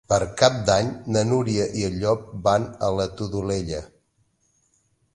Per Cap d'Any na Núria i en Llop van a la Todolella.